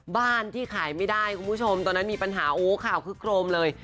บ้านที่ขายไม่ได้คุณผู้ชมตอนนั้นมีปัญหาโอ้ข่าวคึกโครมเลย